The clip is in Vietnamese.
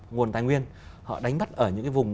nguồn tài nguyên họ đánh bắt ở những cái vùng